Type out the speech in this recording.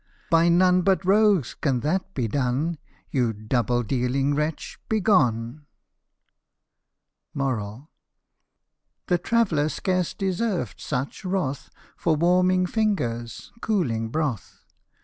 By none but rogues can that be done : You double dealing wretch, begone !" The traveller scarce deserved such wrath, For warming fingers cooling broth.